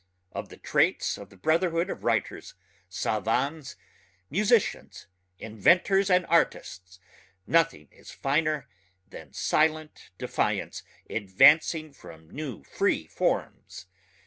Of the traits of the brotherhood of writers savans musicians inventors and artists, nothing is finer than silent defiance advancing from new free forms.